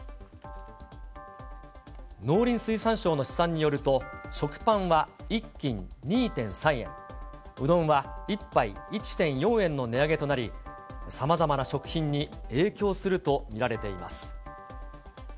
農林水産省の試算によると、食パンは１斤２．３円、うどんは１杯１．４円の値上げとなり、さまざまな食品に影響すると見られています。